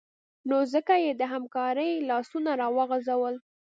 نو ځکه یې د همکارۍ لاسونه راوغځول